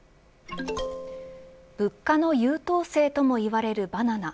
物価の優等生ともよばれるバナナ。